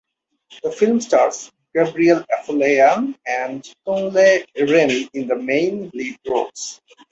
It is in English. The film stars Gabriel Afolayan and Kunle Remi in the main lead roles.